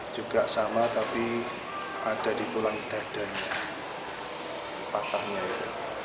juga sama tapi ada di pulang dadanya pataknya itu